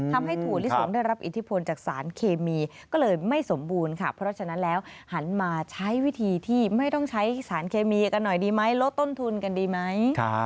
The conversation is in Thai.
ทำให้ถั่วลิสงได้รับอิทธิพลจากสารเคมี